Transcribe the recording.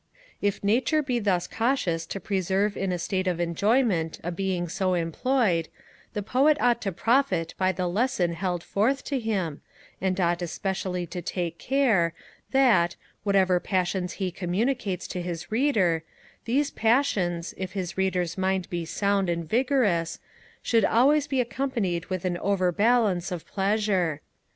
If Nature be thus cautious to preserve in a state of enjoyment a being so employed, the Poet ought to profit by the lesson held forth to him, and ought especially to take care, that, whatever passions he communicates to his Reader, those passions, if his Reader's mind be sound and vigorous, should always be accompanied with an overbalance of pleasure.